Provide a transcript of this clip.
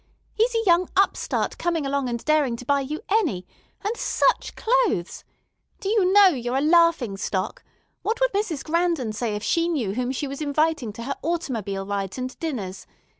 He's a young upstart coming along and daring to buy you any—and such clothes! Do you know you're a laughing stock? What would Mrs. Grandon say if she knew whom she was inviting to her automobile rides and dinners?